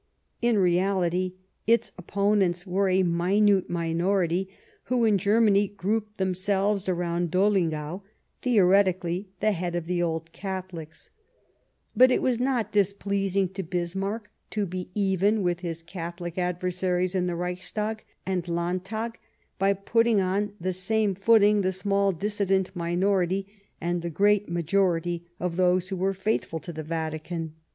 In reality, its opponents were a minute minority, who, in Germany, grouped themselves around Dollinger, theoretically the head of the Old Catholics ; but it 203 Bismarck was not displeasing to Bismarck to be even with his Catholic adversaries in the Reichstag and Landtag by putting on the same footing the small dissident minority and the great majority of those who were faithful to the Vatican.